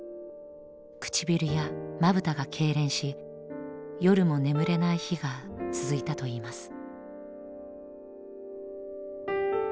唇やまぶたが痙攣し夜も眠れない日が続いたといいます。